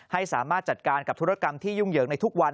ให้สามารถจัดการกับธุรกรรมที่ยุ่งเหยิงในทุกวัน